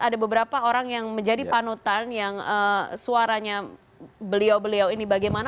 ada beberapa orang yang menjadi panutan yang suaranya beliau beliau ini bagaimana